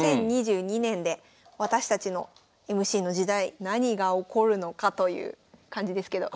２０２２年で私たちのＭＣの時代「何が起こるのか⁉」という感じですけど。